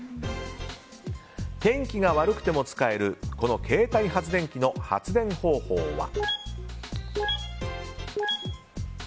天気が悪くても使える携帯発電機の発電方法は。